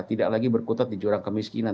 tidak lagi berkutat di jurang kemiskinan